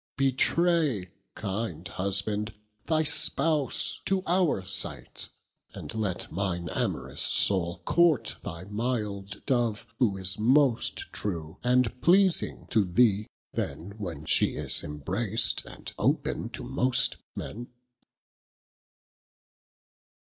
Betray kind husband thy spouse to our sights, And let myne amorous soule court thy mild Dove, Who is most trew, and pleasing to thee, then When she is embrac'd and open to most men.